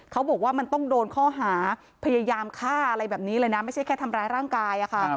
เขาบอกว่ามันต้องโดนข้อหาพยายามฆ่าอะไรแบบนี้เลยนะไม่ใช่แค่ทำร้ายร่างกายค่ะ